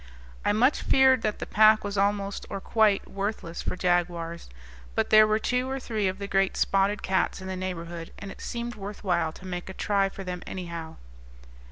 I much feared that the pack was almost or quite worthless for jaguars, but there were two or three of the great spotted cats in the neighborhood and it seemed worth while to make a try for them anyhow.